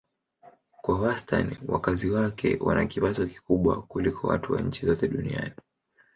Kwa wastani wakazi wake wana kipato kikubwa kuliko watu wa nchi zote duniani.